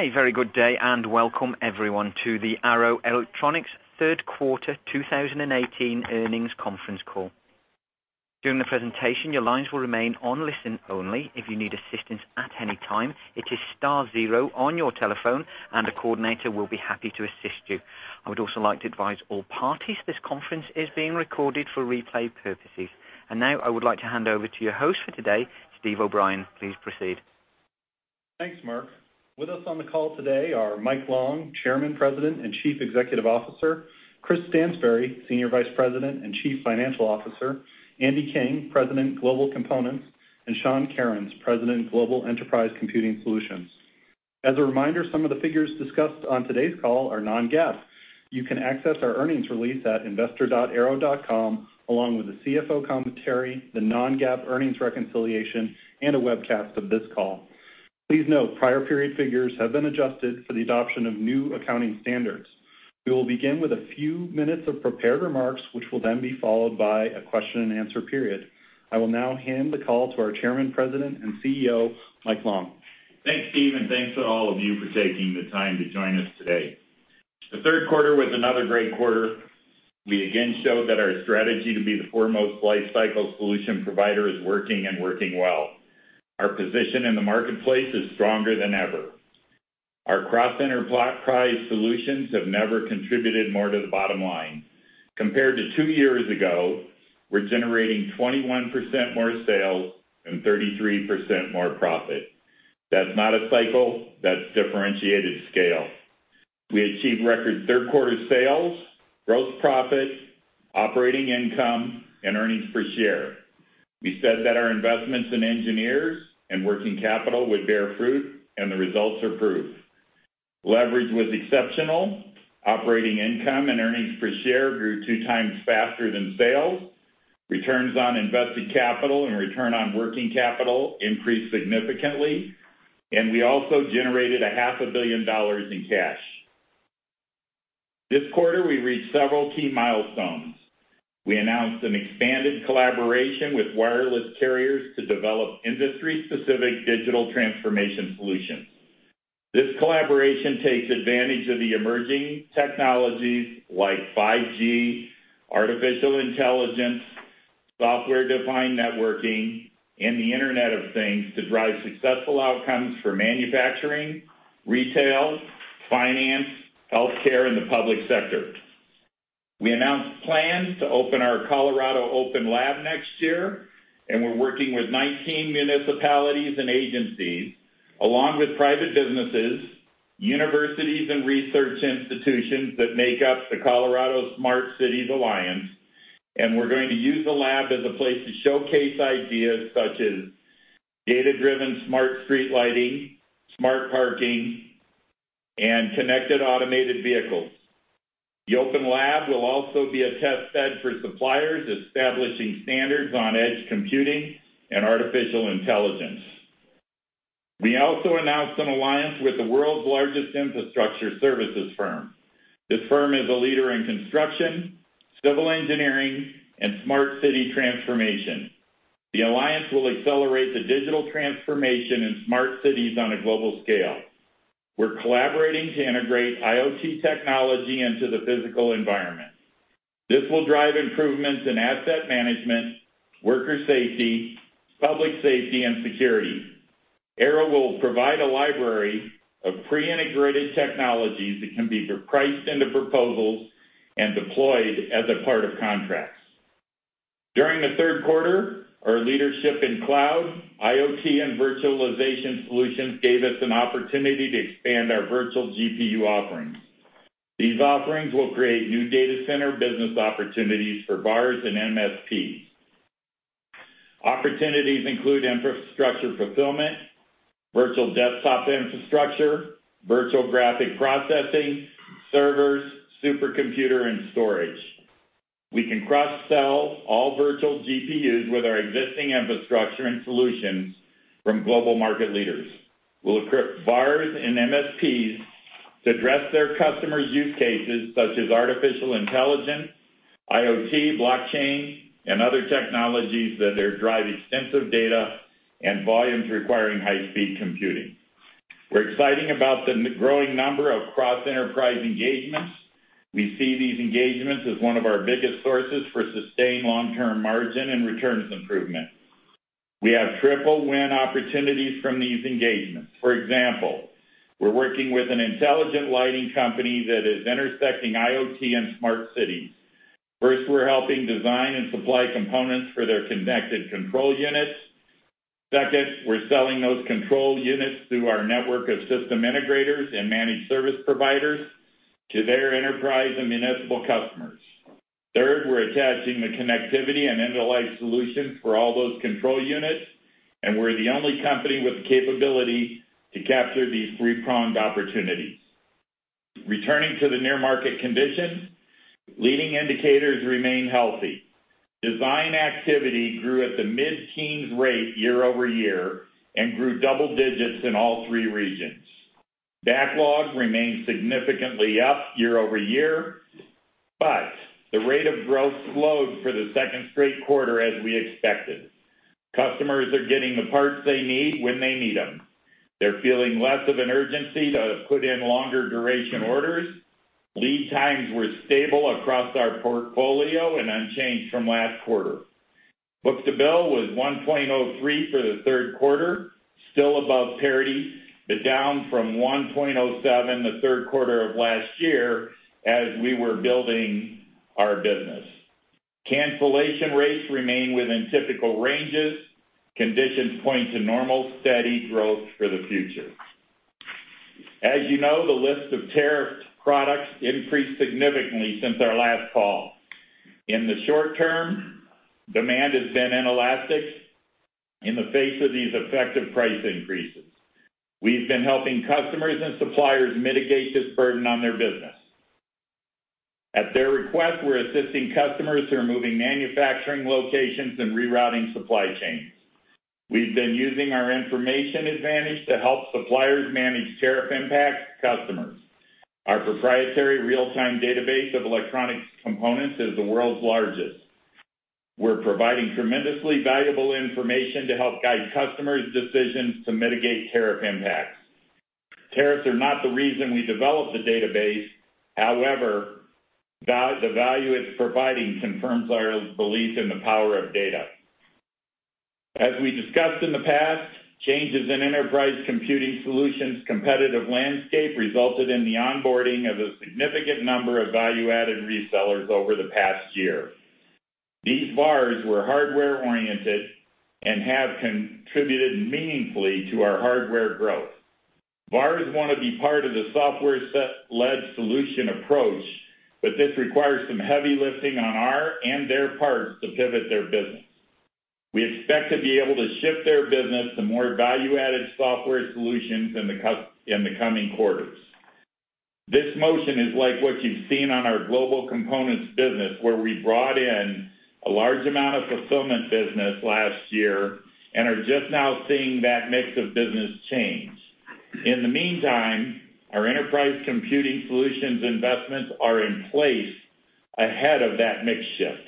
A very good day, and welcome everyone to the Arrow Electronics third quarter 2018 earnings conference call. During the presentation, your lines will remain on listen only. If you need assistance at any time, it is star zero on your telephone, and a coordinator will be happy to assist you. I would also like to advise all parties this conference is being recorded for replay purposes. Now I would like to hand over to your host for today, Steve O'Brien. Please proceed. Thanks, Mark. With us on the call today are Mike Long, Chairman, President, and Chief Executive Officer, Chris Stansbury, Senior Vice President and Chief Financial Officer, Andy King, President, Global Components, and Sean Kerins, President, Global Enterprise Computing Solutions. As a reminder, some of the figures discussed on today's call are non-GAAP. You can access our earnings release at investor dot arrow dot com, along with the CFO Commentary, the non-GAAP earnings reconciliation, and a webcast of this call. Please note, prior period figures have been adjusted for the adoption of new accounting standards. We will begin with a few minutes of prepared remarks, which will then be followed by a question-and-answer period. I will now hand the call to our Chairman, President, and CEO, Mike Long. Thanks, Steve, and thanks to all of you for taking the time to join us today. The third quarter was another great quarter. We again showed that our strategy to be the foremost life cycle solution provider is working, and working well. Our position in the marketplace is stronger than ever. Our cross-enterprise value-priced solutions have never contributed more to the bottom line. Compared to two years ago, we're generating 21% more sales and 33% more profit. That's not a cycle, that's differentiated scale. We achieved record third quarter sales, gross profit, operating income, and earnings per share. We said that our investments in engineers and working capital would bear fruit, and the results are proof. Leverage was exceptional. Operating income and earnings per share grew 2x faster than sales. Returns on invested capital and return on working capital increased significantly, and we also generated $500 million in cash. This quarter, we reached several key milestones. We announced an expanded collaboration with wireless carriers to develop industry-specific digital transformation solutions. This collaboration takes advantage of the emerging technologies like 5G, artificial intelligence, software-defined networking, and the Internet of Things, to drive successful outcomes for manufacturing, retail, finance, healthcare, and the public sector. We announced plans to open our Colorado Open Lab next year, and we're working with 19 municipalities and agencies, along with private businesses, universities, and research institutions that make up the Colorado Smart Cities Alliance. We're going to use the lab as a place to showcase ideas such as data-driven smart street lighting, smart parking, and connected automated vehicles. The open lab will also be a test bed for suppliers, establishing standards on edge computing and artificial intelligence. We also announced an alliance with the world's largest infrastructure services firm. This firm is a leader in construction, civil engineering, and smart city transformation. The alliance will accelerate the digital transformation in smart cities on a global scale. We're collaborating to integrate IoT technology into the physical environment. This will drive improvements in asset management, worker safety, public safety, and security. Arrow will provide a library of pre-integrated technologies that can be priced into proposals and deployed as a part of contracts. During the third quarter, our leadership in cloud, IoT, and virtualization solutions gave us an opportunity to expand our virtual GPU offerings. These offerings will create new data center business opportunities for VARs and MSPs. Opportunities include infrastructure fulfillment, virtual desktop infrastructure, virtual GPU, servers, supercomputer, and storage. We can cross-sell all virtual GPUs with our existing infrastructure and solutions from global market leaders. We'll equip VARs and MSPs to address their customers' use cases, such as artificial intelligence, IoT, blockchain, and other technologies that drive extensive data and volumes requiring high-speed computing. We're excited about the growing number of cross-enterprise engagements. We see these engagements as one of our biggest sources for sustained long-term margin and returns improvement. We have triple-win opportunities from these engagements. For example, we're working with an intelligent lighting company that is interested in IoT and smart cities. First, we're helping design and supply components for their connected control units. Second, we're selling those control units through our network of system integrators and managed service providers to their enterprise and municipal customers. Third, we're attaching the connectivity and intellectual solutions for all those control units, and we're the only company with the capability to capture these three-pronged opportunities. Returning to the near market conditions, leading indicators remain healthy. Design activity grew at the mid-teens rate year-over-year and grew double digits in all three regions. Backlog remains significantly up year-over-year. But the rate of growth slowed for the second straight quarter, as we expected. Customers are getting the parts they need when they need them. They're feeling less of an urgency to put in longer duration orders. Lead times were stable across our portfolio and unchanged from last quarter. Book-to-bill was 1.03 for the third quarter, still above parity, but down from 1.07 the third quarter of last year as we were building our business. Cancellation rates remain within typical ranges. Conditions point to normal, steady growth for the future. As you know, the list of tariffed products increased significantly since our last call. In the short term, demand has been inelastic in the face of these effective price increases. We've been helping customers and suppliers mitigate this burden on their business. At their request, we're assisting customers who are moving manufacturing locations and rerouting supply chains. We've been using our information advantage to help suppliers manage tariff impact to customers. Our proprietary real-time database of electronic components is the world's largest. We're providing tremendously valuable information to help guide customers' decisions to mitigate tariff impacts. Tariffs are not the reason we developed the database. However, the value it's providing confirms our belief in the power of data. As we discussed in the past, changes in Enterprise Computing Solutions' competitive landscape resulted in the onboarding of a significant number of value-added resellers over the past year. These VARs were hardware-oriented and have contributed meaningfully to our hardware growth. VARs want to be part of the software-set-led solution approach, but this requires some heavy lifting on our and their parts to pivot their business. We expect to be able to shift their business to more value-added software solutions in the coming quarters. This motion is like what you've seen on our Global Components business, where we brought in a large amount of fulfillment business last year and are just now seeing that mix of business change. In the meantime, our Enterprise Computing Solutions investments are in place ahead of that mix shift.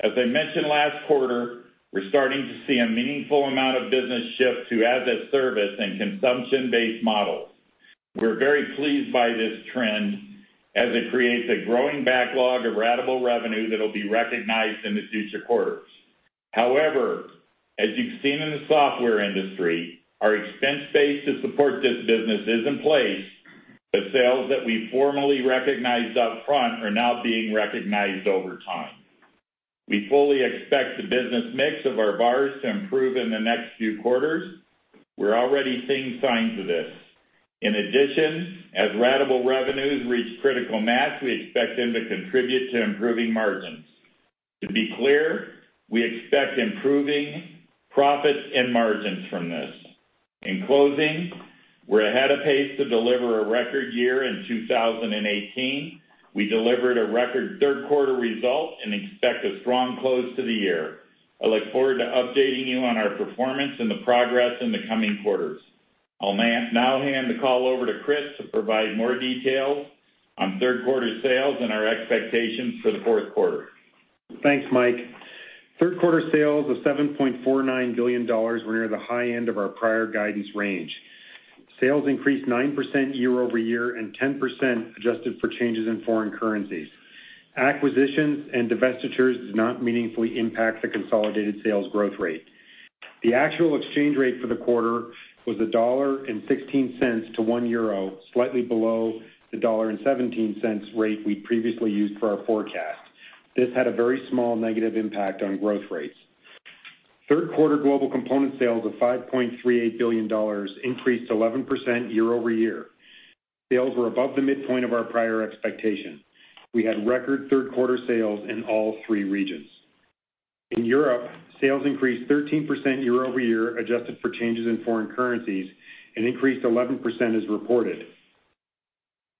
As I mentioned last quarter, we're starting to see a meaningful amount of business shift to as-a-service and consumption-based models. We're very pleased by this trend, as it creates a growing backlog of ratable revenue that'll be recognized in the future quarters. However, as you've seen in the software industry, our expense base to support this business is in place, but sales that we formerly recognized up front are now being recognized over time. We fully expect the business mix of our VARs to improve in the next few quarters. We're already seeing signs of this. In addition, as ratable revenues reach critical mass, we expect them to contribute to improving margins. To be clear, we expect improving profits and margins from this. In closing, we're ahead of pace to deliver a record year in 2018. We delivered a record third quarter result and expect a strong close to the year. I look forward to updating you on our performance and the progress in the coming quarters. I'll now hand the call over to Chris to provide more details on third quarter sales and our expectations for the fourth quarter. Thanks, Mike. Third quarter sales of $7.49 billion were near the high end of our prior guidance range. Sales increased 9% year-over-year, and 10% adjusted for changes in foreign currencies. Acquisitions and divestitures did not meaningfully impact the consolidated sales growth rate. The actual exchange rate for the quarter was $1.16 to 1 euro, slightly below the $1.17 rate we previously used for our forecast. This had a very small negative impact on growth rates. Third quarter global component sales of $5.38 billion increased 11% year-over-year. Sales were above the midpoint of our prior expectation. We had record third quarter sales in all three regions. In Europe, sales increased 13% year-over-year, adjusted for changes in foreign currencies, and increased 11% as reported.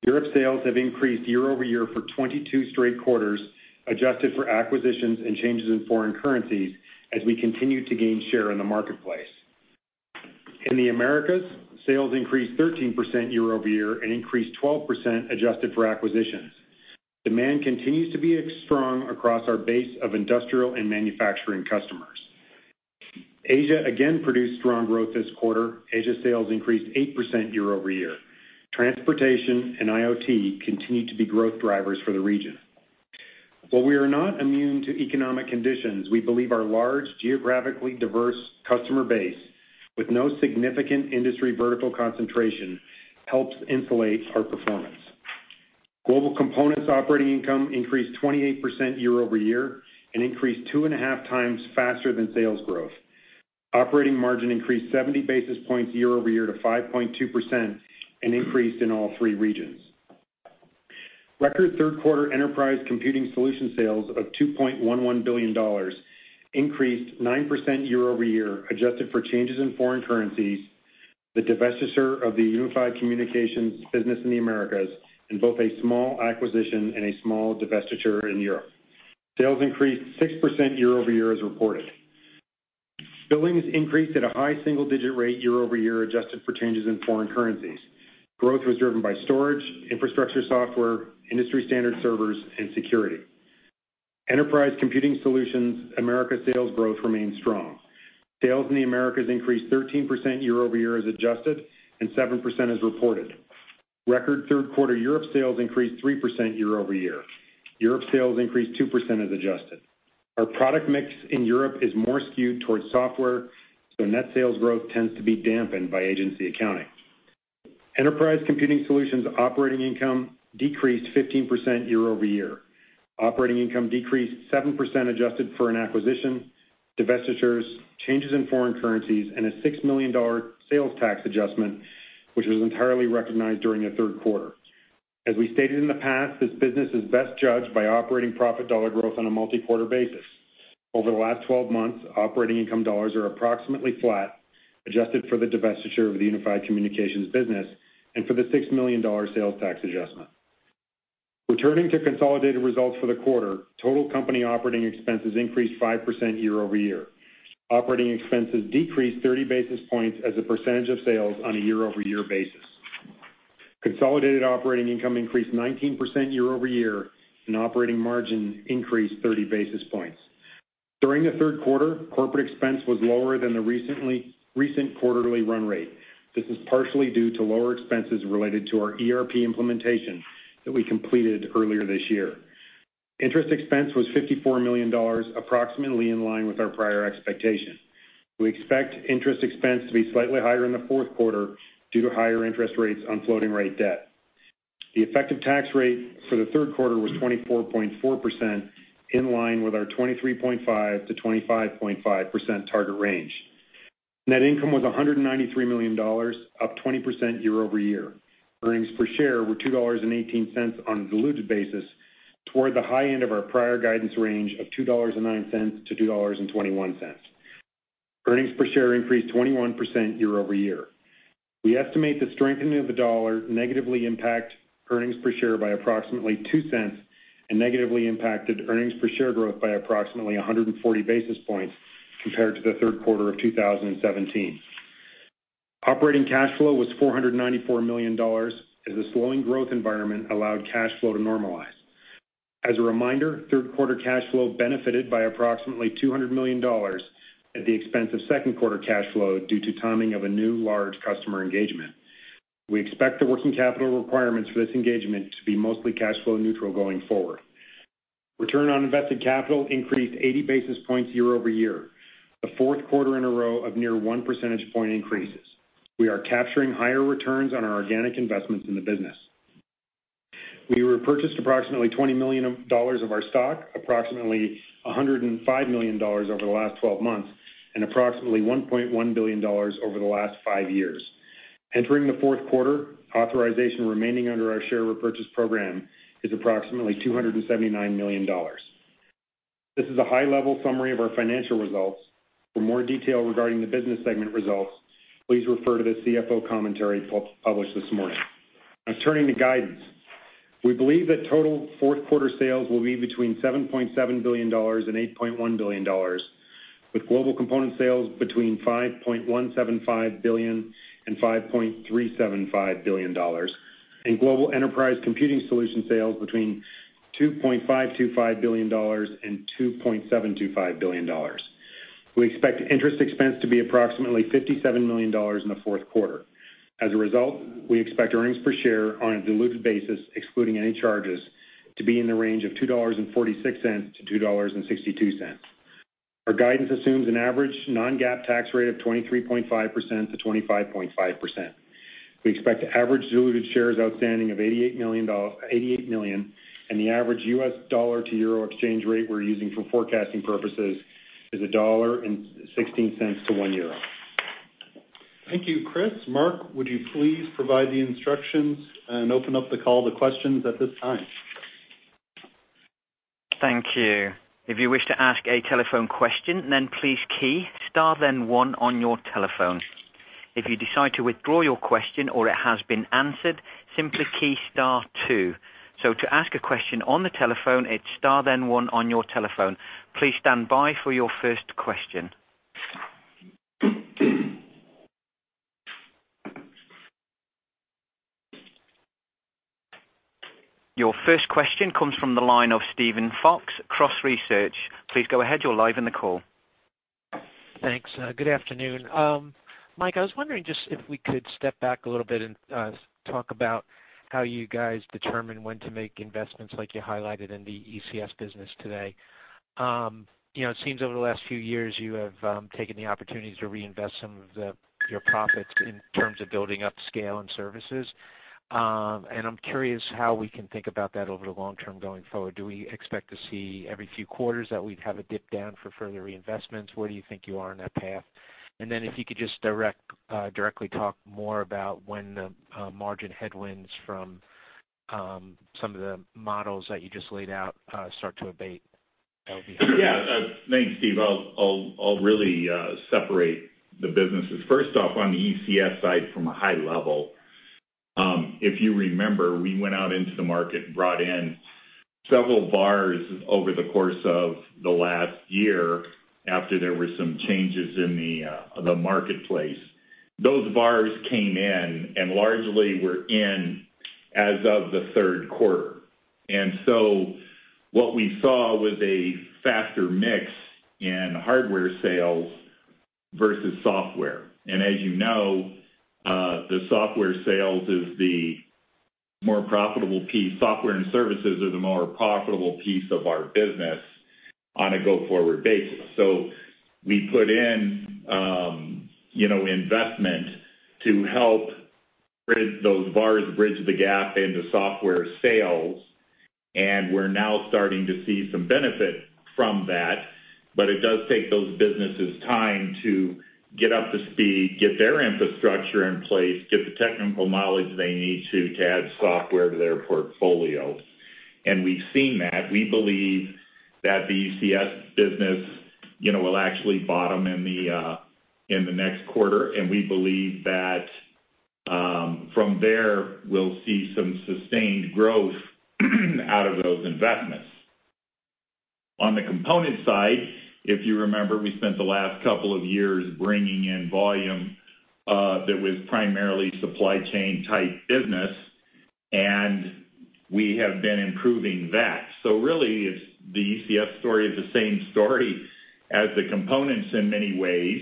Europe sales have increased year-over-year for 22 straight quarters, adjusted for acquisitions and changes in foreign currencies, as we continue to gain share in the marketplace. In the Americas, sales increased 13% year-over-year and increased 12% adjusted for acquisitions. Demand continues to be strong across our base of industrial and manufacturing customers. Asia again produced strong growth this quarter. Asia sales increased 8% year-over-year. Transportation and IoT continue to be growth drivers for the region. While we are not immune to economic conditions, we believe our large, geographically diverse customer base, with no significant industry vertical concentration, helps insulate our performance. Global Components operating income increased 28% year-over-year and increased two and a half times faster than sales growth. Operating margin increased 70 basis points year-over-year to 5.2% and increased in all three regions. Record third quarter enterprise computing solution sales of $2.11 billion increased 9% year-over-year, adjusted for changes in foreign currencies, the divestiture of the Unified Communications business in the Americas, and both a small acquisition and a small divestiture in Europe. Sales increased 6% year-over-year as reported. Billings increased at a high single-digit rate year-over-year, adjusted for changes in foreign currencies. Growth was driven by storage, infrastructure software, industry standard servers, and security. Enterprise Computing Solutions Americas sales growth remained strong. Sales in the Americas increased 13% year-over-year as adjusted, and 7% as reported. Record third quarter Europe sales increased 3% year-over-year. Europe sales increased 2% as adjusted. Our product mix in Europe is more skewed towards software, so net sales growth tends to be dampened by agency accounting. Enterprise Computing Solutions operating income decreased 15% year-over-year. Operating income decreased 7% adjusted for an acquisition, divestitures, changes in foreign currencies, and a $6 million sales tax adjustment, which was entirely recognized during the third quarter. As we stated in the past, this business is best judged by operating profit dollar growth on a multi-quarter basis. Over the last 12 months, operating income dollars are approximately flat, adjusted for the divestiture of the Unified Communications business and for the $6 million sales tax adjustment. Returning to consolidated results for the quarter, total company operating expenses increased 5% year-over-year. Operating expenses decreased 30 basis points as a percentage of sales on a year-over-year basis. Consolidated operating income increased 19% year-over-year, and operating margin increased 30 basis points. During the third quarter, corporate expense was lower than the recent quarterly run rate. This is partially due to lower expenses related to our ERP implementation that we completed earlier this year. Interest expense was $54 million, approximately in line with our prior expectations. We expect interest expense to be slightly higher in the fourth quarter due to higher interest rates on floating rate debt. The effective tax rate for the third quarter was 24.4%, in line with our 23.5%-25.5% target range. Net income was $193 million, up 20% year-over-year. Earnings per share were $2.18 on a diluted basis, toward the high end of our prior guidance range of $2.09-$2.21. Earnings per share increased 21% year-over-year. We estimate the strengthening of the dollar negatively impact earnings per share by approximately two cents and negatively impacted earnings per share growth by approximately 140 basis points compared to the third quarter of 2017. Operating cash flow was $494 million, as the slowing growth environment allowed cash flow to normalize. As a reminder, third quarter cash flow benefited by approximately $200 million at the expense of second quarter cash flow due to timing of a new large customer engagement. We expect the working capital requirements for this engagement to be mostly cash flow neutral going forward. Return on invested capital increased 80 basis points year-over-year, the fourth quarter in a row of near 1 percentage point increases. We are capturing higher returns on our organic investments in the business. We repurchased approximately $20 million of our stock, approximately $105 million over the last 12 months, and approximately $1.1 billion over the last 5 years. Entering the fourth quarter, authorization remaining under our share repurchase program is approximately $279 million. This is a high-level summary of our financial results. For more detail regarding the business segment results, please refer to the CFO commentary published this morning. Now turning to guidance. We believe that total fourth quarter sales will be between $7.7 billion and $8.1 billion, with global component sales between $5.175 billion and $5.375 billion, and global enterprise computing solution sales between $2.525 billion and $2.725 billion. We expect interest expense to be approximately $57 million in the fourth quarter. As a result, we expect earnings per share on a diluted basis, excluding any charges, to be in the range of $2.46-$2.62. Our guidance assumes an average non-GAAP tax rate of 23.5%-25.5%. We expect average diluted shares outstanding of 88 million, and the average U.S. dollar to euro exchange rate we're using for forecasting purposes is $1.16 to 1 euro. Thank you, Chris. Mark, would you please provide the instructions and open up the call to questions at this time? Thank you. If you wish to ask a telephone question, then please key star, then one on your telephone. If you decide to withdraw your question or it has been answered, simply key star two. So to ask a question on the telephone, it's star then one on your telephone. Please stand by for your first question. Your first question comes from the line of Steven Fox, Cross Research. Please go ahead. You're live in the call. Thanks. Good afternoon. Mike, I was wondering just if we could step back a little bit and talk about how you guys determine when to make investments like you highlighted in the ECS business today. You know, it seems over the last few years, you have taken the opportunity to reinvest some of your profits in terms of building up scale and services. And I'm curious how we can think about that over the long term going forward. Do we expect to see every few quarters that we'd have a dip down for further reinvestments? Where do you think you are on that path? And then if you could just directly talk more about when the margin headwinds from some of the models that you just laid out start to abate, that would be helpful. Yeah. Thanks, Steve. I'll really separate the businesses. First off, on the ECS side, from a high level, If you remember, we went out into the market and brought in several VARs over the course of the last year after there were some changes in the marketplace. Those VARs came in and largely were in as of the third quarter. And so what we saw was a faster mix in hardware sales versus software. And as you know, the software sales is the more profitable piece. Software and services are the more profitable piece of our business on a go-forward basis. So we put in, you know, investment to help bridge those VARs, bridge the gap into software sales, and we're now starting to see some benefit from that. But it does take those businesses time to get up to speed, get their infrastructure in place, get the technical knowledge they need to add software to their portfolio. And we've seen that. We believe that the ECS business, you know, will actually bottom in the next quarter, and we believe that from there, we'll see some sustained growth out of those investments. On the component side, if you remember, we spent the last couple of years bringing in volume that was primarily supply chain-type business, and we have been improving that. So really, it's the ECS story is the same story as the components in many ways.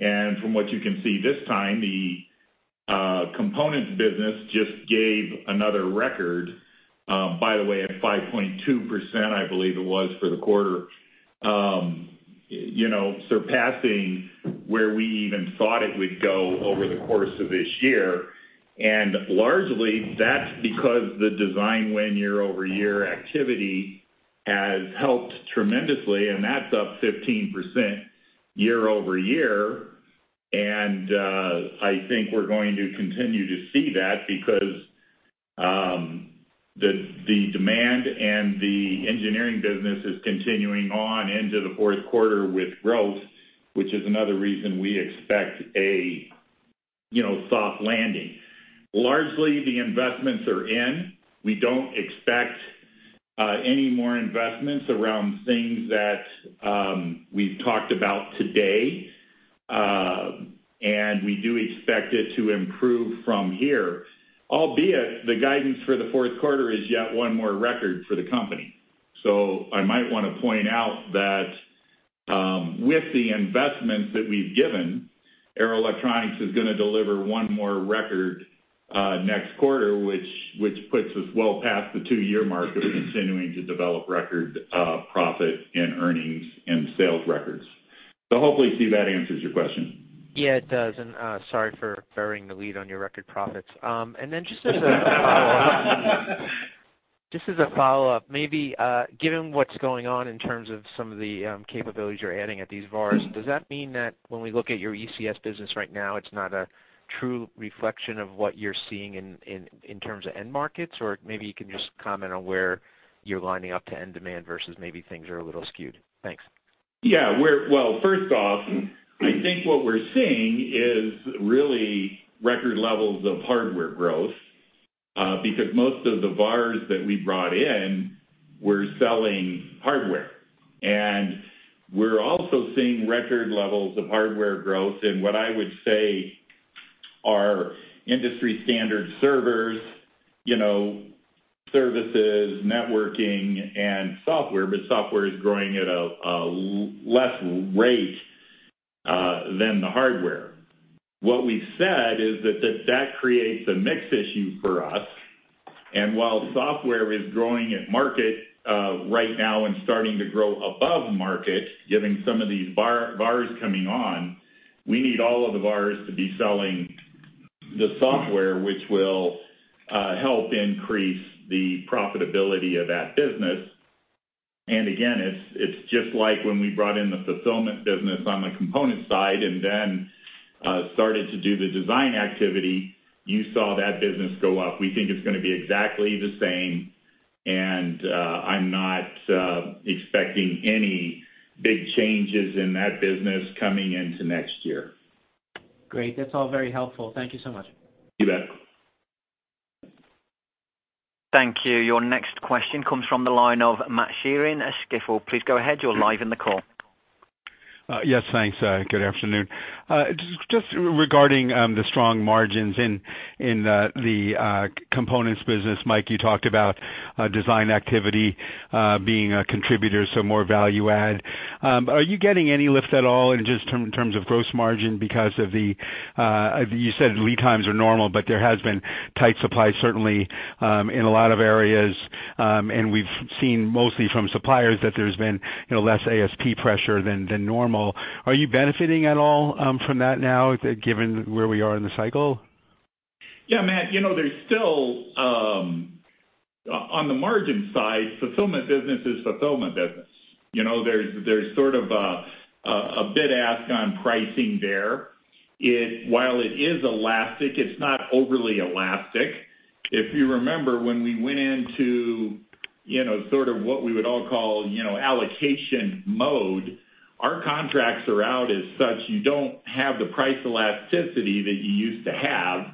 And from what you can see this time, the components business just gave another record by the way, at 5.2%, I believe it was, for the quarter you know, surpassing where we even thought it would go over the course of this year. And largely, that's because the design win year-over-year activity has helped tremendously, and that's up 15% year over year. I think we're going to continue to see that because the demand and the engineering business is continuing on into the fourth quarter with growth, which is another reason we expect a, you know, soft landing. Largely, the investments are in. We don't expect any more investments around things that we've talked about today. And we do expect it to improve from here, albeit the guidance for the fourth quarter is yet one more record for the company. So I might want to point out that with the investments that we've given, Arrow Electronics is gonna deliver one more record next quarter, which puts us well past the two-year mark of continuing to develop record profit and earnings and sales records. So hopefully, Steve, that answers your question. Yeah, it does. Sorry for burying the lead on your record profits. And then just as a follow-up, maybe given what's going on in terms of some of the capabilities you're adding at these VARs, does that mean that when we look at your ECS business right now, it's not a true reflection of what you're seeing in terms of end markets? Or maybe you can just comment on where you're lining up to end demand versus maybe things are a little skewed. Thanks. Yeah, we're. Well, first off, I think what we're seeing is really record levels of hardware growth, because most of the VARs that we brought in were selling hardware. And we're also seeing record levels of hardware growth in what I would say are industry standard servers, you know, services, networking, and software, but software is growing at a less rate than the hardware. What we've said is that that creates a mix issue for us, and while software is growing at market right now and starting to grow above market, given some of these VARs coming on, we need all of the VARs to be selling the software, which will help increase the profitability of that business. And again, it's just like when we brought in the fulfillment business on the component side and then started to do the design activity, you saw that business go up. We think it's gonna be exactly the same, and I'm not expecting any big changes in that business coming into next year. Great. That's all very helpful. Thank you so much. You bet. Thank you. Your next question comes from the line of Matt Sheerin at Stifel. Please go ahead. You're live in the call. Yes, thanks. Good afternoon. Just, just regarding the strong margins in the components business, Mike, you talked about design activity being a contributor, so more value add. Are you getting any lift at all in just terms of gross margin because of the, you said lead times are normal, but there has been tight supply, certainly in a lot of areas. And we've seen mostly from suppliers that there's been, you know, less ASP pressure than normal. Are you benefiting at all from that now, given where we are in the cycle? Yeah, Matt, you know, there's still on the margin side, fulfillment business is fulfillment business. You know, there's sort of a bid ask on pricing there. It. While it is elastic, it's not overly elastic. If you remember when we went into, you know, sort of what we would all call allocation mode, our contracts are out as such, you don't have the price elasticity that you used to have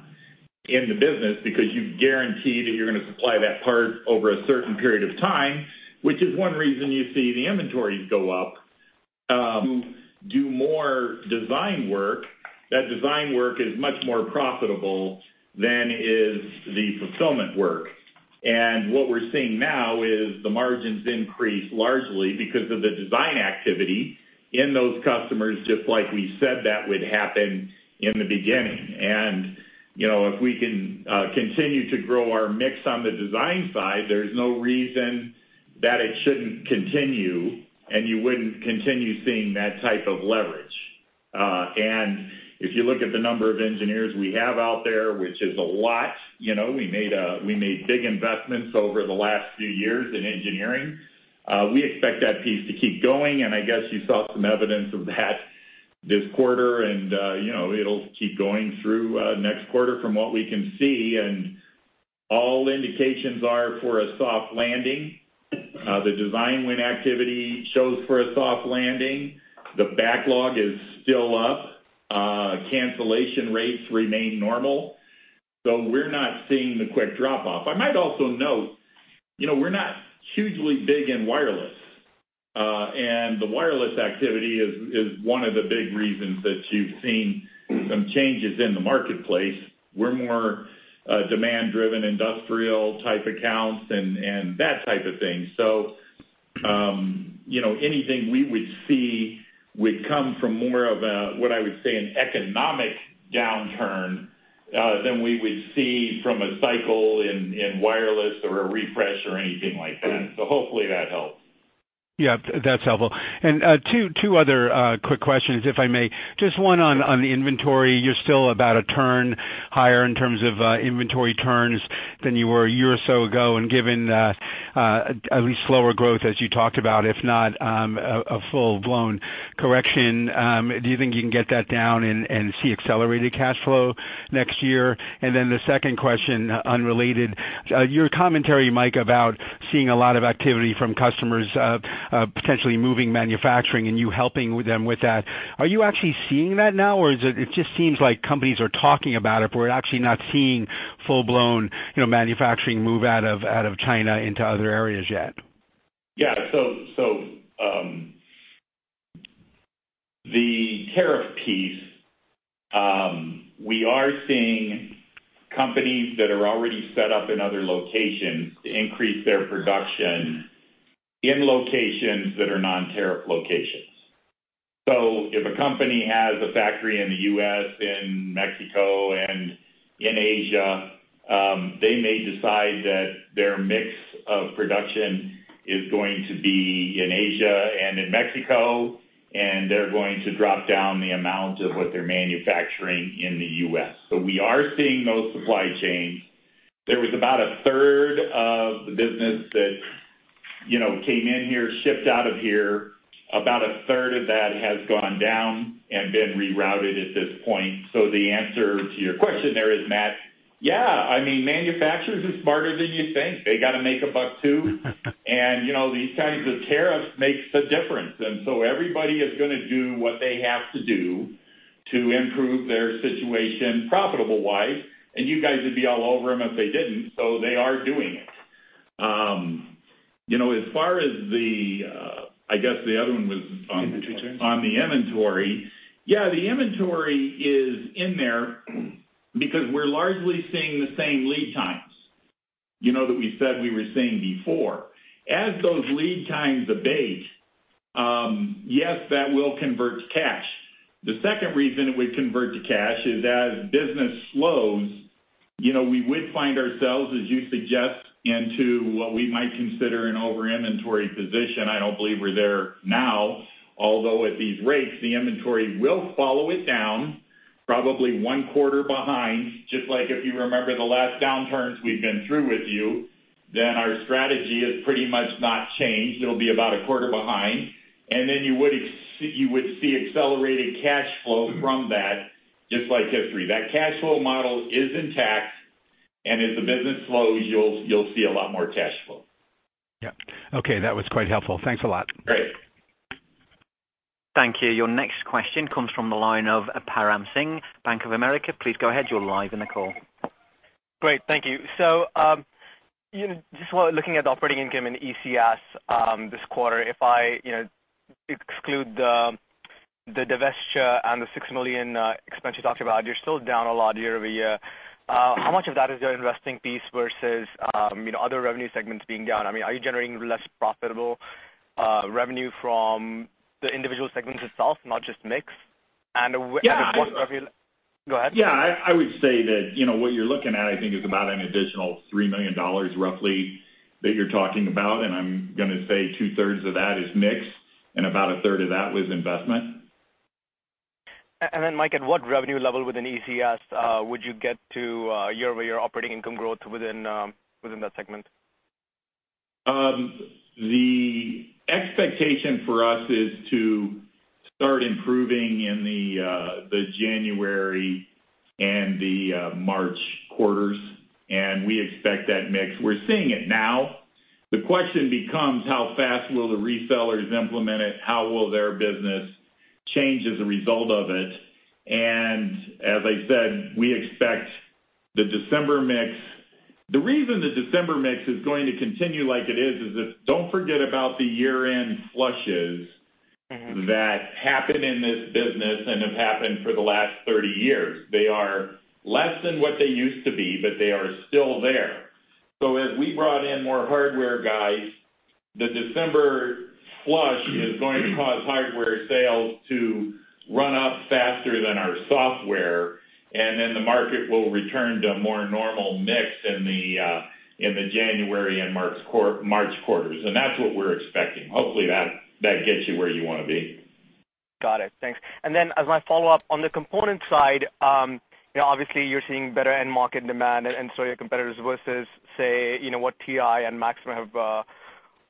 in the business because you've guaranteed that you're gonna supply that part over a certain period of time, which is one reason you see the inventories go up. Do more design work, that design work is much more profitable than is the fulfillment work. And what we're seeing now is the margins increase largely because of the design activity in those customers, just like we said that would happen in the beginning. You know, if we can continue to grow our mix on the design side, there's no reason that it shouldn't continue, and you wouldn't continue seeing that type of leverage. And if you look at the number of engineers we have out there, which is a lot, you know, we made big investments over the last few years in engineering. We expect that piece to keep going, and I guess you saw some evidence of that this quarter, and, you know, it'll keep going through next quarter from what we can see, and all indications are for a soft landing. The design win activity shows for a soft landing. The backlog is still up. Cancellation rates remain normal, so we're not seeing the quick drop off. I might also note, you know, we're not hugely big in wireless. And the wireless activity is one of the big reasons that you've seen some changes in the marketplace. We're more demand driven, industrial type accounts and that type of thing. So, you know, anything we would see would come from more of a, what I would say, an economic downturn, than we would see from a cycle in wireless or a refresh or anything like that. So hopefully, that helps. Yeah, that's helpful. Two other quick questions, if I may. Just one on the inventory. You're still about a turn higher in terms of inventory turns than you were a year or so ago, and given at least slower growth as you talked about, if not a full-blown correction, do you think you can get that down and see accelerated cash flow next year? And then the second question, unrelated, your commentary, Mike, about seeing a lot of activity from customers potentially moving manufacturing and you helping with them with that, are you actually seeing that now, or is it? It just seems like companies are talking about it, but we're actually not seeing full-blown, you know, manufacturing move out of China into other areas yet? Yeah. So, the tariff piece, we are seeing companies that are already set up in other locations to increase their production in locations that are non-tariff locations. So if a company has a factory in the U.S., in Mexico, and in Asia, they may decide that their mix of production is going to be in Asia and in Mexico, and they're going to drop down the amount of what they're manufacturing in the U.S. So we are seeing those supply chains. There was about a third of the business that, you know, came in here, shipped out of here. About a third of that has gone down and been rerouted at this point. So the answer to your question there is, Matt, yeah, I mean, manufacturers are smarter than you think. They gotta make a buck, too. And, you know, these kinds of tariffs makes a difference. And so everybody is gonna do what they have to do to improve their situation profitable-wise, and you guys would be all over them if they didn't, so they are doing it. You know, as far as the, I guess the other one was on- Inventory terms. On the inventory. Yeah, the inventory is in there because we're largely seeing the same lead times, you know, that we said we were seeing before. As those lead times abate, yes, that will convert to cash. The second reason it would convert to cash is as business slows, you know, we would find ourselves, as you suggest, into what we might consider an over inventory position. I don't believe we're there now, although at these rates, the inventory will follow it down, probably one quarter behind. Just like if you remember the last downturns we've been through with you, then our strategy is pretty much not changed. It'll be about a quarter behind, and then you would see accelerated cash flow from that, just like history. That cash flow model is intact, and as the business slows, you'll see a lot more cash flow. Yeah. Okay, that was quite helpful. Thanks a lot. Great. Thank you. Your next question comes from the line of Param Singh, Bank of America. Please go ahead. You're live in the call. Great. Thank you. So, just looking at the operating income in ECS, this quarter, if I, you know, exclude the, the divestiture and the $6 million expense you talked about, you're still down a lot year-over-year. How much of that is your investing piece versus, you know, other revenue segments being down? I mean, are you generating less profitable, revenue from the individual segments itself, not just mix? And- Yeah, I- Go ahead. Yeah, I would say that, you know, what you're looking at, I think, is about an additional $3 million roughly that you're talking about, and I'm gonna say two-thirds of that is mix, and about a third of that was investment. Mike, at what revenue level within ECS would you get to year-over-year operating income growth within that segment?... The expectation for us is to start improving in the January and the March quarters, and we expect that mix. We're seeing it now. The question becomes: how fast will the resellers implement it? How will their business change as a result of it? And as I said, we expect the December mix-- The reason the December mix is going to continue like it is, is that don't forget about the year-end flushes- Mm-hmm. -that happen in this business and have happened for the last 30 years. They are less than what they used to be, but they are still there. So as we brought in more hardware guys, the December flush is going to cause hardware sales to run up faster than our software, and then the market will return to a more normal mix in the January and March quarters, and that's what we're expecting. Hopefully, that gets you where you wanna be. Got it. Thanks. And then as my follow-up, on the component side, you know, obviously, you're seeing better end market demand and so are your competitors versus say, you know, what TI and Maxim have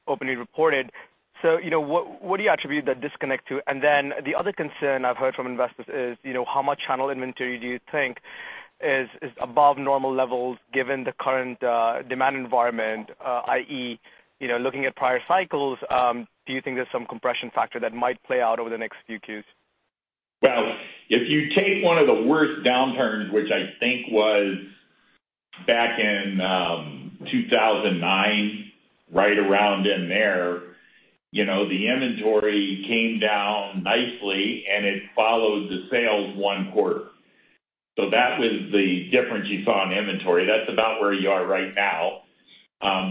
openly reported. So, you know, what, what do you attribute that disconnect to? And then the other concern I've heard from investors is, you know, how much channel inventory do you think is, is above normal levels given the current demand environment, i.e., you know, looking at prior cycles, do you think there's some compression factor that might play out over the next few queues? Well, if you take one of the worst downturns, which I think was back in 2009, right around in there, you know, the inventory came down nicely, and it followed the sales one quarter. So that was the difference you saw in inventory. That's about where you are right now.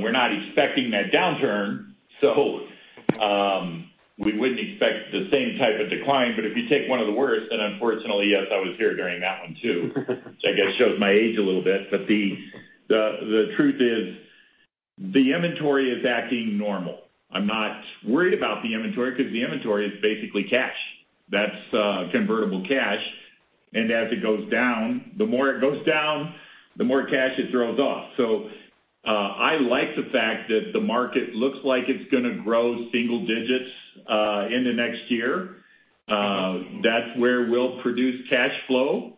We're not expecting that downturn, so we wouldn't expect the same type of decline, but if you take one of the worst, then unfortunately, yes, I was here during that one, too. Which I guess shows my age a little bit. But the truth is, the inventory is acting normal. I'm not worried about the inventory because the inventory is basically cash. That's convertible cash, and as it goes down, the more it goes down, the more cash it throws off. So, I like the fact that the market looks like it's gonna grow single digits into next year. That's where we'll produce cash flow,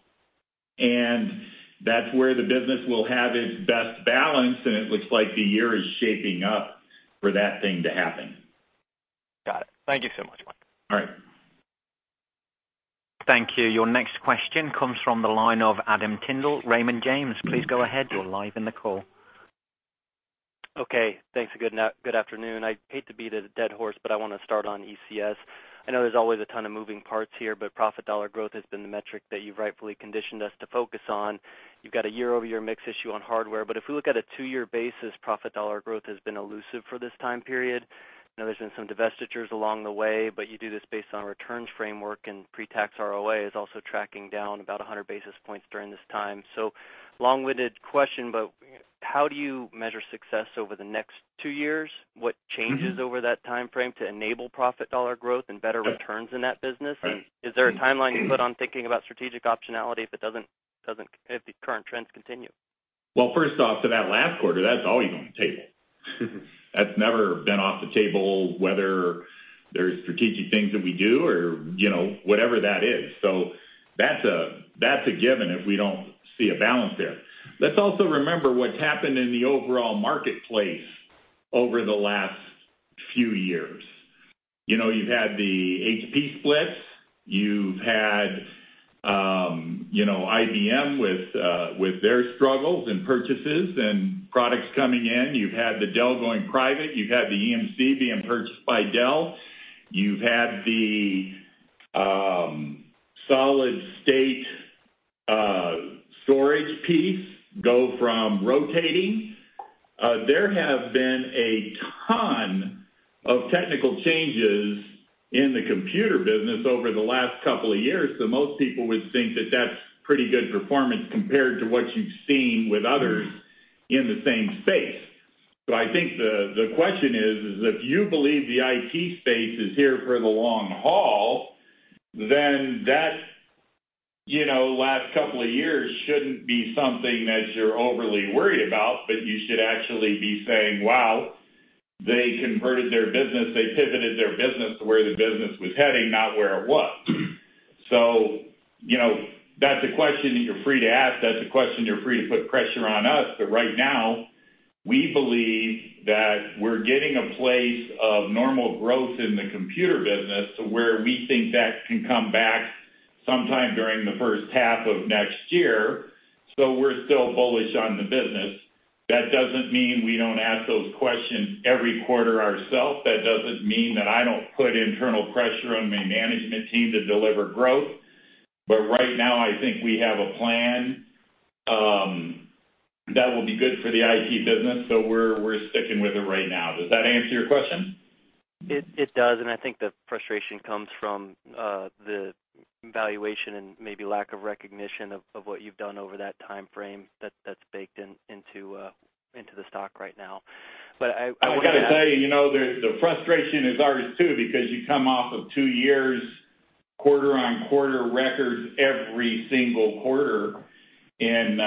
and that's where the business will have its best balance, and it looks like the year is shaping up for that thing to happen. Got it. Thank you so much, Mark. All right. Thank you. Your next question comes from the line of Adam Tindle, Raymond James. Please go ahead. You're live in the call. Okay. Thanks, and good afternoon. I hate to beat a dead horse, but I wanna start on ECS. I know there's always a ton of moving parts here, but profit dollar growth has been the metric that you've rightfully conditioned us to focus on. You've got a year-over-year mix issue on hardware, but if we look at a two-year basis, profit dollar growth has been elusive for this time period. I know there's been some divestitures along the way, but you do this based on returns framework and pre-tax ROA is also tracking down about 100 basis points during this time. So long-winded question, but how do you measure success over the next two years? Mm-hmm. What changes over that timeframe to enable profit dollar growth and better returns in that business? Right. Is there a timeline you put on thinking about strategic optionality if it doesn't-- if the current trends continue? Well, first off, to that last quarter, that's always on the table. That's never been off the table, whether there's strategic things that we do or, you know, whatever that is. So that's a, that's a given if we don't see a balance there. Let's also remember what's happened in the overall marketplace over the last few years. You know, you've had the HP splits, you've had, you know, IBM with, with their struggles and purchases and products coming in. You've had the Dell going private, you've had the EMC being purchased by Dell. You've had the, solid state, storage piece go from rotating. There have been a ton of technical changes in the computer business over the last couple of years, so most people would think that that's pretty good performance compared to what you've seen with others- Mm. in the same space. So I think the question is, if you believe the IT space is here for the long haul, then that, you know, last couple of years shouldn't be something that you're overly worried about, but you should actually be saying, "Wow, they converted their business, they pivoted their business to where the business was heading, not where it was." So, you know, that's a question that you're free to ask. That's a question you're free to put pressure on us, but right now, we believe that we're getting a place of normal growth in the computer business to where we think that can come back sometime during the first half of next year. So we're still bullish on the business. That doesn't mean we don't ask those questions every quarter ourselves. That doesn't mean that I don't put internal pressure on the management team to deliver growth. But right now, I think we have a plan that will be good for the IT business, so we're sticking with it right now. Does that answer your question? It does, and I think the frustration comes from the valuation and maybe lack of recognition of what you've done over that timeframe that's baked into the stock right now. But I- I've gotta tell you, you know, the frustration is ours, too, because you come off of two years quarter-on-quarter records every single quarter in,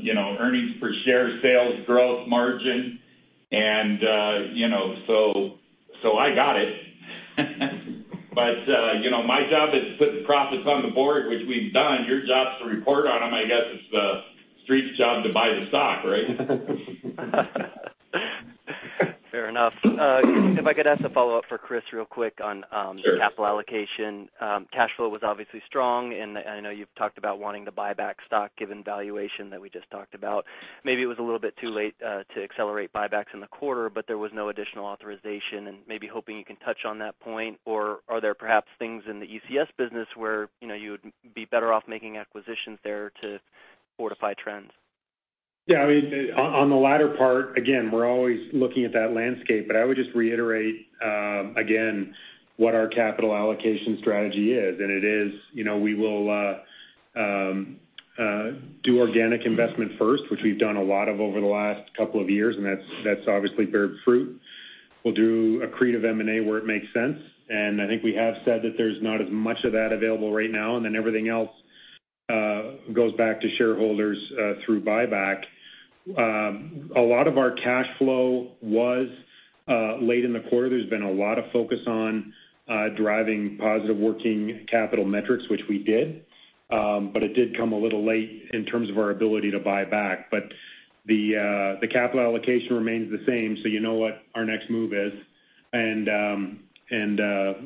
you know, earnings per share, sales growth, margin, and, you know, so, so I got it. But, you know, my job is to put the profits on the board, which we've done. Your job is to report on them. I guess it's the street's job to buy the stock, right? Fair enough. If I could ask a follow-up for Chris real quick on, Sure. The capital allocation. Cash flow was obviously strong, and I know you've talked about wanting to buy back stock given the valuation that we just talked about. Maybe it was a little bit too late to accelerate buybacks in the quarter, but there was no additional authorization, and maybe hoping you can touch on that point. Or are there perhaps things in the ECS business where, you know, you would be better off making acquisitions there to fortify trends? Yeah, I mean, on the latter part, again, we're always looking at that landscape, but I would just reiterate again what our capital allocation strategy is. And it is, you know, we will do organic investment first, which we've done a lot of over the last couple of years, and that's obviously bear fruit. We'll do accretive M&A, where it makes sense, and I think we have said that there's not as much of that available right now, and then everything else goes back to shareholders through buyback. A lot of our cash flow was late in the quarter. There's been a lot of focus on driving positive working capital metrics, which we did. But it did come a little late in terms of our ability to buy back. But the capital allocation remains the same, so you know what our next move is. And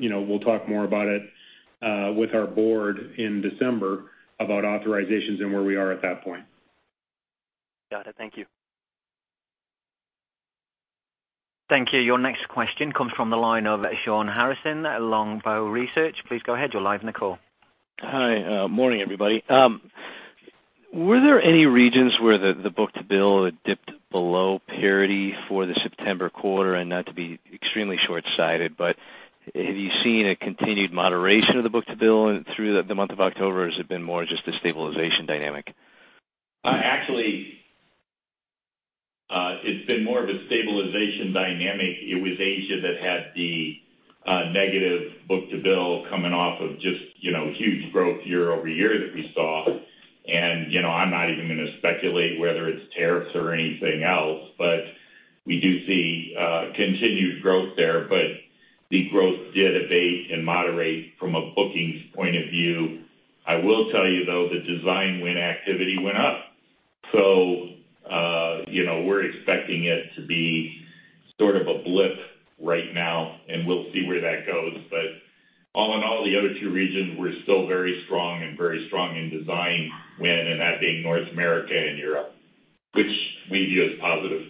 you know, we'll talk more about it with our board in December, about authorizations and where we are at that point. Got it. Thank you. Thank you. Your next question comes from the line of Shawn Harrison, Longbow Research. Please go ahead. You're live in the call. Hi. Morning, everybody. Were there any regions where the book-to-bill dipped below parity for the September quarter? And not to be extremely short-sighted, but have you seen a continued moderation of the book-to-bill through the month of October, or has it been more just a stabilization dynamic? Actually, it's been more of a stabilization dynamic. It was Asia that had the negative book-to-bill coming off of just, you know, huge growth year over year that we saw. And, you know, I'm not even gonna speculate whether it's tariffs or anything else, but we do see continued growth there. But the growth did abate and moderate from a bookings point of view. I will tell you, though, the design win activity went up. So, you know, we're expecting it to be sort of a blip right now, and we'll see where that goes. But all in all, the other two regions were still very strong and very strong in design win, and that being North America and Europe, which we view as positive.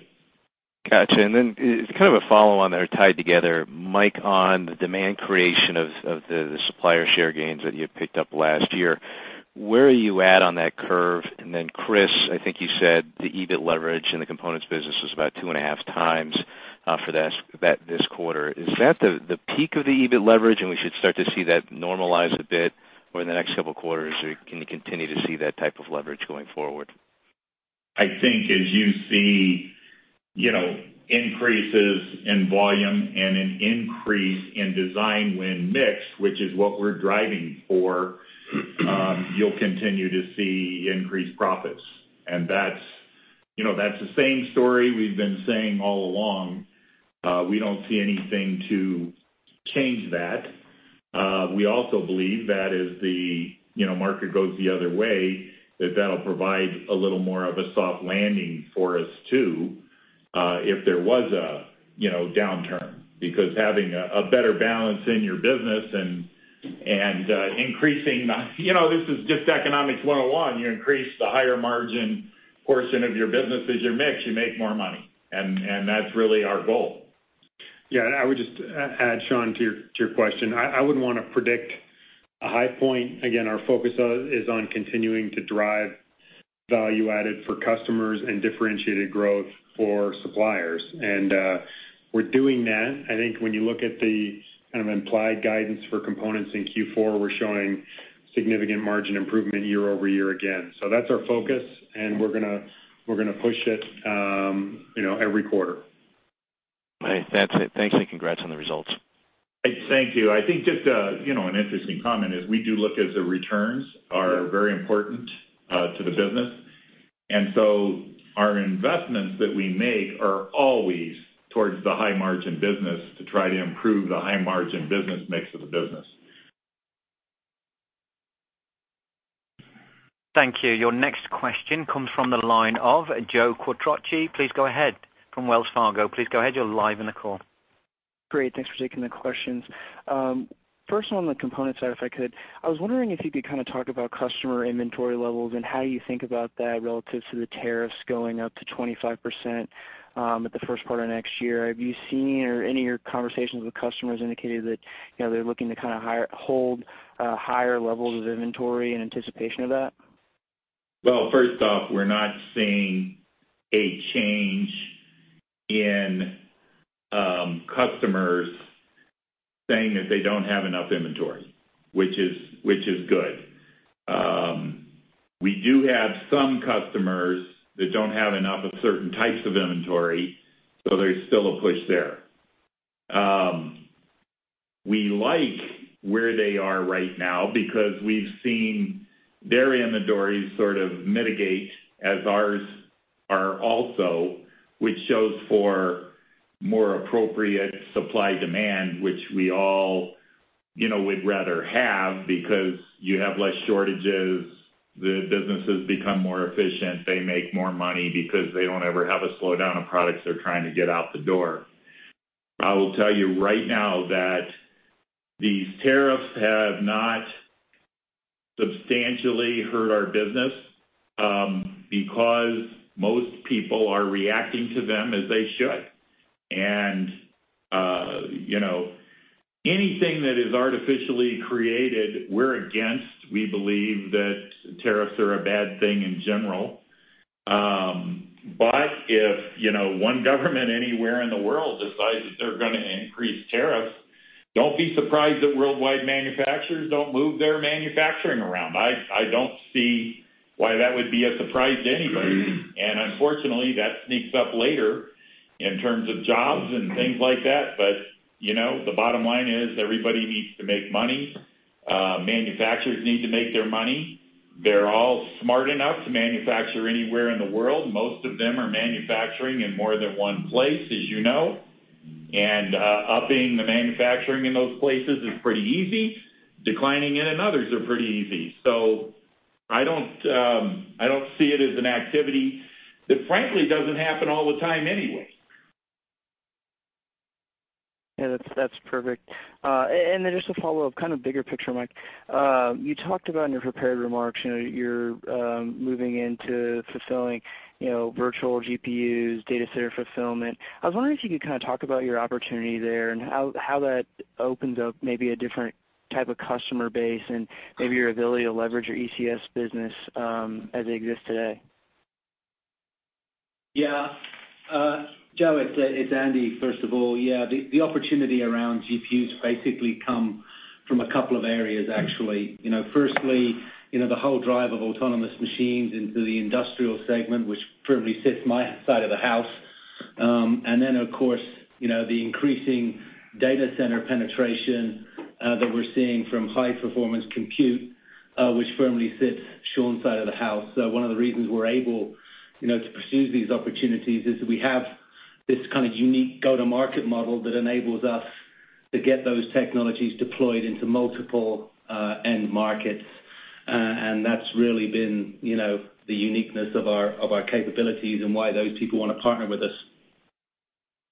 Gotcha. And then, it's kind of a follow on there, tied together. Mike, on the demand creation of the supplier share gains that you had picked up last year, where are you at on that curve? And then, Chris, I think you said the EBIT leverage in the components business was about 2.5 times for this quarter. Is that the peak of the EBIT leverage, and we should start to see that normalize a bit over the next couple of quarters, or can you continue to see that type of leverage going forward? I think as you see, you know, increases in volume and an increase in design win mix, which is what we're driving for, you'll continue to see increased profits. And that's, you know, that's the same story we've been saying all along. We don't see anything to change that. We also believe that as the, you know, market goes the other way, that that'll provide a little more of a soft landing for us, too, if there was a, you know, downturn. Because having a better balance in your business and increasing the... You know, this is just Economics 101. You increase the higher margin portion of your business as your mix, you make more money, and that's really our goal. Yeah, and I would just add, Shawn, to your, to your question. I wouldn't want to predict a high point. Again, our focus is on continuing to drive value added for customers and differentiated growth for suppliers, and we're doing that. I think when you look at the kind of implied guidance for components in Q4, we're showing significant margin improvement year-over-year again. So that's our focus, and we're gonna, we're gonna push it, you know, every quarter. Right. That's it. Thanks, and congrats on the results. Thank you. I think just, you know, an interesting comment is, we do look as the returns are very important to the business. And so our investments that we make are always towards the high margin business to try to improve the high margin business mix of the business. Thank you. Your next question comes from the line of Joe Quatrochi. Please go ahead, from Wells Fargo. Please go ahead. You're live in the call. Great, thanks for taking the questions. First on the component side, if I could, I was wondering if you could kind of talk about customer inventory levels and how you think about that relative to the tariffs going up to 25%, at the first part of next year. Have you seen or any of your conversations with customers indicated that, you know, they're looking to kind of hoard higher levels of inventory in anticipation of that? Well, first off, we're not seeing a change in customers saying that they don't have enough inventory, which is good. We do have some customers that don't have enough of certain types of inventory, so there's still a push there. We like where they are right now because we've seen their inventory sort of mitigate as ours are also, which shows for more appropriate supply-demand, which we all, you know, would rather have because you have less shortages, the businesses become more efficient, they make more money because they don't ever have a slowdown of products they're trying to get out the door. I will tell you right now that these tariffs have not substantially hurt our business, because most people are reacting to them as they should. You know, anything that is artificially created, we're against. We believe that tariffs are a bad thing in general. But if, you know, one government anywhere in the world decides that they're gonna increase tariffs, don't be surprised that worldwide manufacturers don't move their manufacturing around. I don't see why that would be a surprise to anybody. And unfortunately, that sneaks up later in terms of jobs and things like that. But, you know, the bottom line is everybody needs to make money. Manufacturers need to make their money. They're all smart enough to manufacture anywhere in the world. Most of them are manufacturing in more than one place, as you know, and upping the manufacturing in those places is pretty easy. Declining it in others are pretty easy. So I don't, I don't see it as an activity that frankly, doesn't happen all the time anyway. Yeah, that's, that's perfect. And then just a follow-up, kind of bigger picture, Mike. You talked about in your prepared remarks, you know, you're moving into fulfilling, you know, virtual GPUs, data center fulfillment. I was wondering if you could kind of talk about your opportunity there and how, how that opens up maybe a different type of customer base and maybe your ability to leverage your ECS business, as it exists today. Yeah. Joe, it's Andy, first of all. Yeah, the opportunity around GPUs basically come from a couple of areas actually. You know, firstly, you know, the whole drive of autonomous machines into the industrial segment, which firmly sits my side of the house. And then, of course, you know, the increasing data center penetration that we're seeing from high-performance compute, which firmly sits Sean's side of the house. So one of the reasons we're able, you know, to pursue these opportunities is that we have this kind of unique go-to-market model that enables us to get those technologies deployed into multiple end markets. And that's really been, you know, the uniqueness of our, of our capabilities and why those people want to partner with us.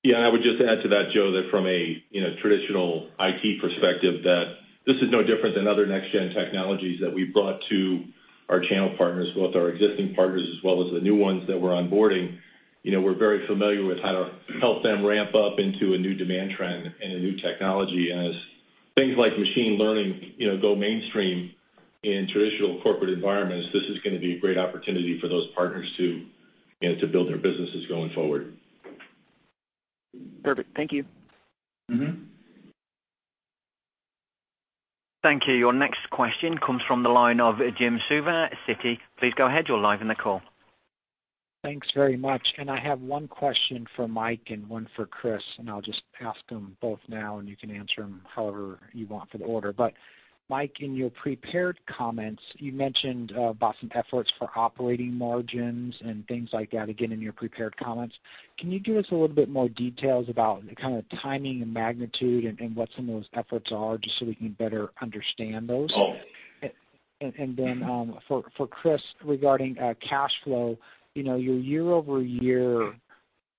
Yeah, I would just add to that, Joe, that from a you know, traditional IT perspective, that this is no different than other next-gen technologies that we've brought to our channel partners, both our existing partners as well as the new ones that we're onboarding. You know, we're very familiar with how to help them ramp up into a new demand trend and a new technology. And as things like machine learning, you know, go mainstream in traditional corporate environments, this is gonna be a great opportunity for those partners to, you know, to build their businesses going forward. Perfect. Thank you. Mm-hmm. Thank you. Your next question comes from the line of Jim Suva at Citi. Please go ahead. You're live in the call. Thanks very much. I have one question for Mike and one for Chris, and I'll just ask them both now, and you can answer them however you want for the order. But Mike, in your prepared comments, you mentioned about some efforts for operating margins and things like that, again, in your prepared comments. Can you give us a little bit more details about the kind of timing and magnitude and what some of those efforts are, just so we can better understand those? Oh. For Chris, regarding cash flow, you know, your year-over-year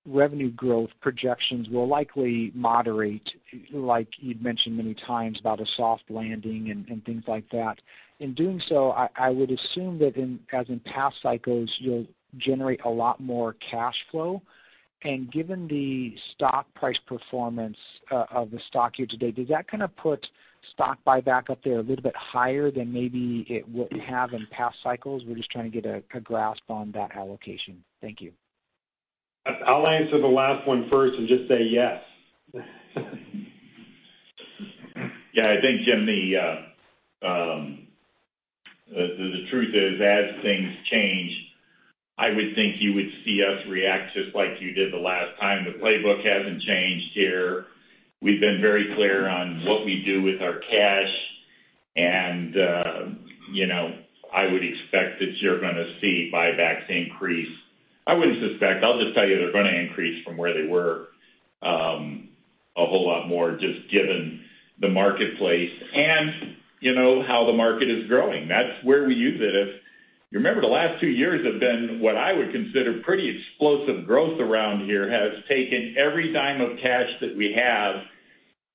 revenue growth projections will likely moderate, like you'd mentioned many times, about a soft landing and things like that. In doing so, I would assume that in, as in past cycles, you'll generate a lot more cash flow. And given the stock price performance of the stock here today, does that kind of put stock buyback up there a little bit higher than maybe it would have in past cycles? We're just trying to get a grasp on that allocation. Thank you. I'll answer the last one first and just say yes. Yeah, I think, Jim, the truth is, as things change, I would think you would see us react just like you did the last time. The playbook hasn't changed here. We've been very clear on what we do with our cash, and you know, I would expect that you're gonna see buybacks increase. I wouldn't suspect, I'll just tell you they're gonna increase from where they were, a whole lot more, just given the marketplace and you know, how the market is growing. That's where we use it. If you remember, the last two years have been, what I would consider, pretty explosive growth around here. Has taken every dime of cash that we have,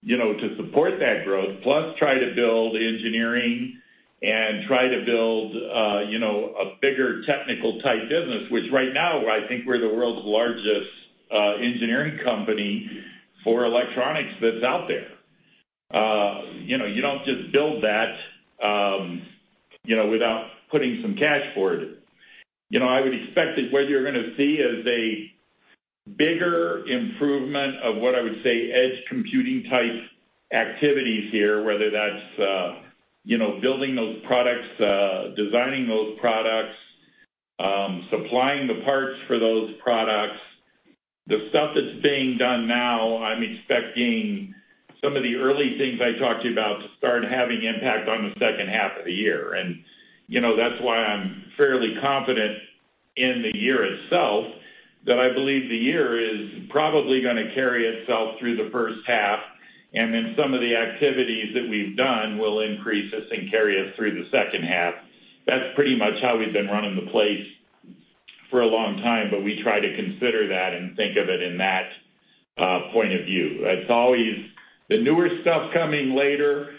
you know, to support that growth, plus try to build engineering and try to build a bigger technical-type business, which right now, I think we're the world's largest engineering company for electronics that's out there. You know, you don't just build that without putting some cash forward. You know, I would expect that what you're gonna see is a bigger improvement of what I would say, edge computing type activities here, whether that's building those products, designing those products, supplying the parts for those products. The stuff that's being done now, I'm expecting some of the early things I talked to you about to start having impact on the second half of the year. You know, that's why I'm fairly confident in the year itself, that I believe the year is probably gonna carry itself through the first half, and then some of the activities that we've done will increase this and carry us through the second half. That's pretty much how we've been running the place for a long time, but we try to consider that and think of it in that point of view. It's always the newer stuff coming later,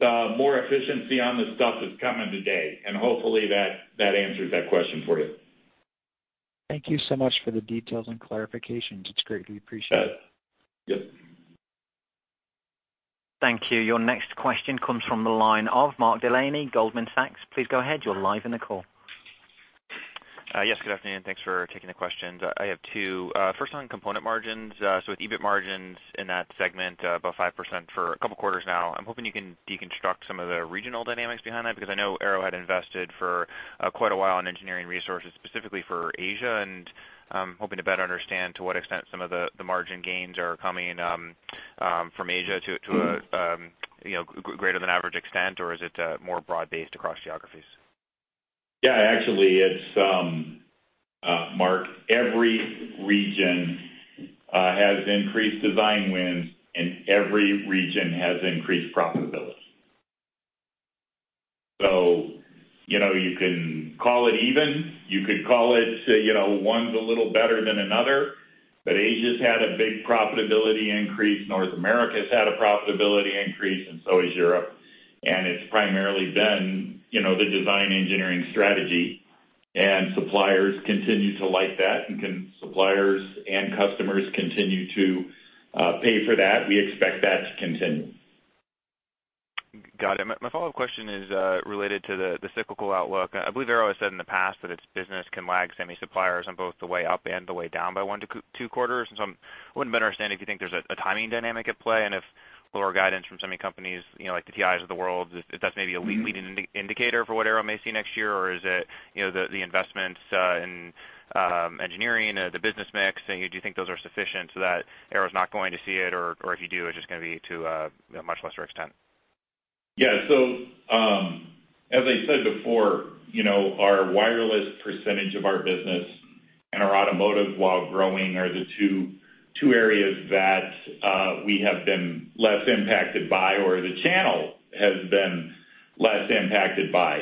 more efficiency on the stuff that's coming today, and hopefully that answers that question for you. Thank you so much for the details and clarifications. It's greatly appreciated. Yep. Thank you. Your next question comes from the line of Mark Delaney, Goldman Sachs. Please go ahead. You're live in the call. Yes, good afternoon, and thanks for taking the questions. I have two. First, on component margins, so with EBIT margins in that segment, about 5% for a couple quarters now, I'm hoping you can deconstruct some of the regional dynamics behind that. Because I know Arrow had invested for quite a while on engineering resources, specifically for Asia, and hoping to better understand to what extent some of the margin gains are coming from Asia to a greater than average extent, or is it more broad-based across geographies? Yeah, actually, it's, Mark, every region has increased design wins, and every region has increased profitability. So, you know, you can call it even, you could call it, say, you know, one's a little better than another, but Asia's had a big profitability increase, North America's had a profitability increase, and so has Europe. And it's primarily been, you know, the design engineering strategy, and suppliers continue to like that, and suppliers and customers continue to pay for that. We expect that to continue. Got it. My, my follow-up question is related to the cyclical outlook. I believe Arrow has said in the past that its business can lag semi suppliers on both the way up and the way down by one to two quarters. And so I want to better understand if you think there's a timing dynamic at play, and if lower guidance from semi companies, you know, like the TIs of the world, if that's maybe a leading indicator for what Arrow may see next year, or is it, you know, the investments in engineering, the business mix? And do you think those are sufficient so that Arrow's not going to see it, or, or if you do, it's just gonna be to a much lesser extent? Yeah. So, as I said before, you know, our wireless percentage of our business and our automotive, while growing, are the two, two areas that we have been less impacted by, or the channel has been less impacted by.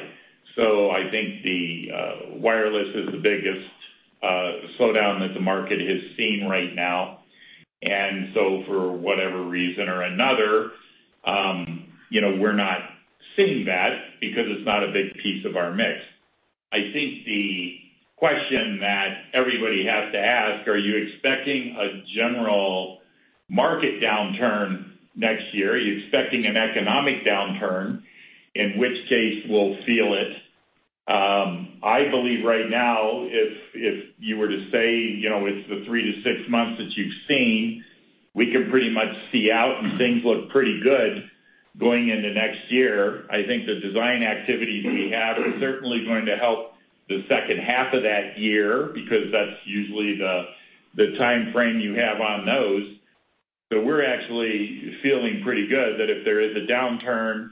So I think the wireless is the biggest slowdown that the market has seen right now. And so for whatever reason or another, you know, we're not seeing that because it's not a big piece of our mix. I think the question that everybody has to ask: Are you expecting a general market downturn next year? Are you expecting an economic downturn, in which case we'll feel it? I believe right now, if you were to say, you know, it's the 3-6 months that you've seen, we can pretty much see out and things look pretty good going into next year. I think the design activities we have are certainly going to help the second half of that year, because that's usually the timeframe you have on those. So we're actually feeling pretty good that if there is a downturn,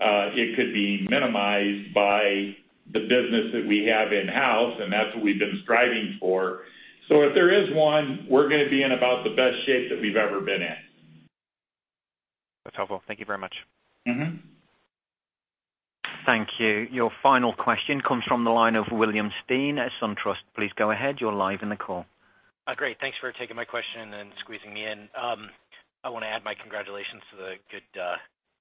it could be minimized by the business that we have in-house, and that's what we've been striving for. So if there is one, we're gonna be in about the best shape that we've ever been in. That's helpful. Thank you very much. Mm-hmm. Thank you. Your final question comes from the line of William Stein at SunTrust. Please go ahead. You're live in the call. Great. Thanks for taking my question and squeezing me in. I wanna add my congratulations to the good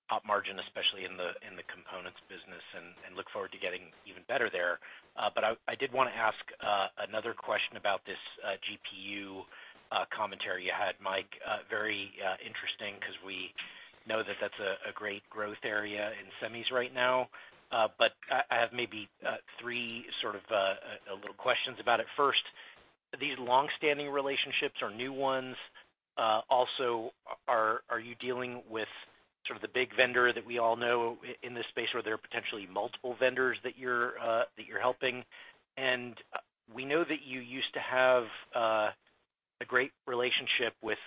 op margin, especially in the components business, and look forward to getting even better there. But I did wanna ask another question about this GPU commentary you had, Mike. Very interesting, 'cause we know that that's a great growth area in semis right now. But I have maybe three sort of little questions about it. First, these long-standing relationships are new ones. Also, are you dealing with sort of the big vendor that we all know in this space, or there are potentially multiple vendors that you're helping? We know that you used to have a great relationship with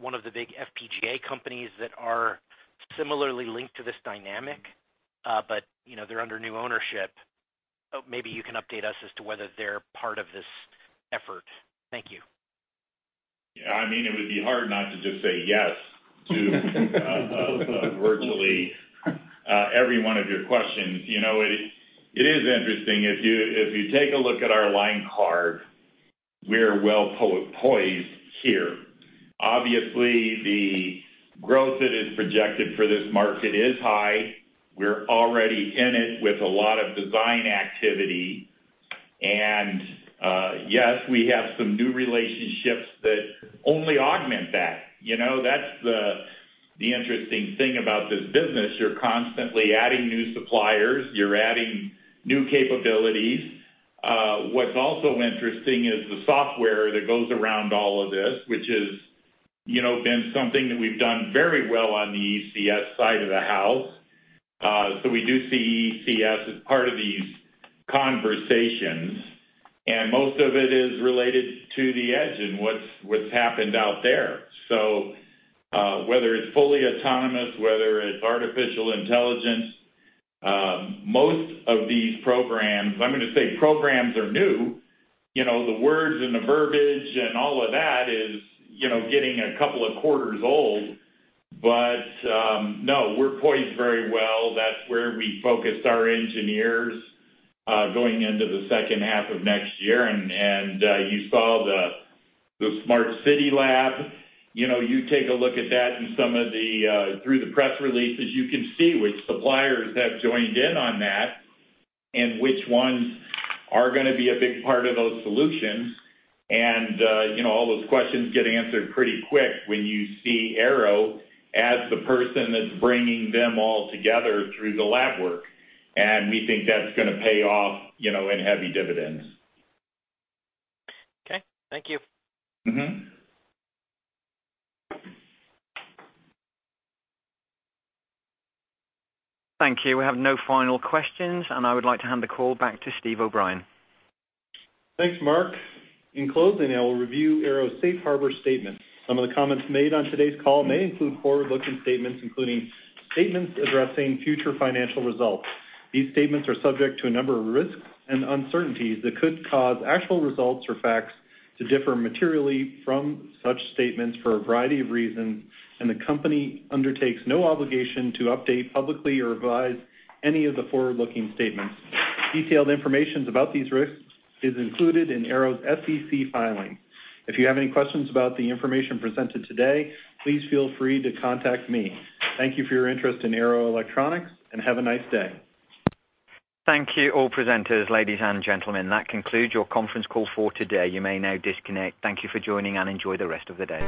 one of the big FPGA companies that are similarly linked to this dynamic, but, you know, they're under new ownership. Maybe you can update us as to whether they're part of this effort. Thank you. Yeah, I mean, it would be hard not to just say yes to virtually every one of your questions. You know, it is interesting. If you take a look at our line card, we're well poised here. Obviously, the growth that is projected for this market is high. We're already in it with a lot of design activity, and yes, we have some new relationships that only augment that. You know, that's the interesting thing about this business. You're constantly adding new suppliers, you're adding new capabilities. What's also interesting is the software that goes around all of this, which is, you know, been something that we've done very well on the ECS side of the house. So we do see ECS as part of these conversations, and most of it is related to the edge and what's happened out there. So, whether it's fully autonomous, whether it's artificial intelligence, most of these programs, I'm gonna say programs are new. You know, the words and the verbiage and all of that is, you know, getting a couple of quarters old. But, no, we're poised very well. That's where we focused our engineers, going into the second half of next year, and you saw the smart city lab. You know, you take a look at that and some of the through the press releases, you can see which suppliers have joined in on that, and which ones are gonna be a big part of those solutions. You know, all those questions get answered pretty quick when you see Arrow as the person that's bringing them all together through the lab work. We think that's gonna pay off, you know, in heavy dividends. Okay. Thank you. Mm-hmm. Thank you. We have no final questions, and I would like to hand the call back to Steve O'Brien. Thanks, Mark. In closing, I will review Arrow's Safe Harbor statement. Some of the comments made on today's call may include forward-looking statements, including statements addressing future financial results. These statements are subject to a number of risks and uncertainties that could cause actual results or facts to differ materially from such statements for a variety of reasons, and the company undertakes no obligation to update publicly or revise any of the forward-looking statements. Detailed information about these risks is included in Arrow's SEC filing. If you have any questions about the information presented today, please feel free to contact me. Thank you for your interest in Arrow Electronics, and have a nice day. Thank you, all presenters. Ladies and gentlemen, that concludes your conference call for today. You may now disconnect. Thank you for joining, and enjoy the rest of the day.